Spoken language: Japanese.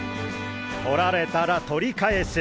取られたら取り返す！